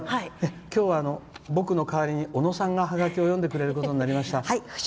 今日は、僕の代わりに小野さんがはがきを読んでくれることになりました。